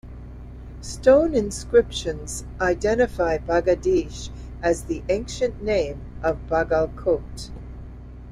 Stone inscriptions identify "Bagadige" as the ancient name of Bagalkote.